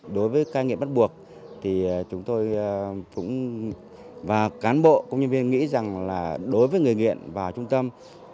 đối với ca nghiện bắt buộc chúng tôi và cán bộ công nhân viên nghĩ rằng đối với người nghiện và trung tâm